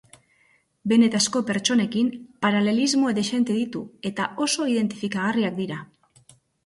Benetazko pertsonekin paralelismo dexente ditu eta oso identifikagarriak dira.